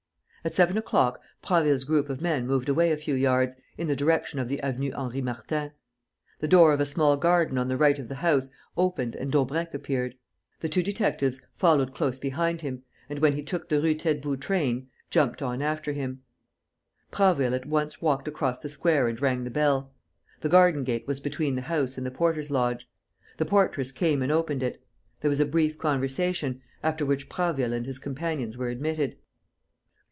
At seven o'clock Prasville's group of men moved away a few yards, in the direction of the Avenue Henri Martin. The door of a small garden on the right of the house opened and Daubrecq appeared. The two detectives followed close behind him and, when he took the Rue Taitbout train, jumped on after him. Prasville at once walked across the square and rang the bell. The garden gate was between the house and the porter's lodge. The portress came and opened it. There was a brief conversation, after which Prasville and his companions were admitted.